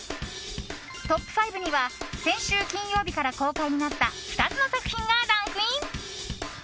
トップ５には先週金曜日から公開になった２つの作品がランクイン。